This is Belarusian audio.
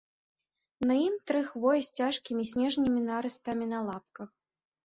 На ім тры хвоі з цяжкімі снежнымі нарастамі на лапках.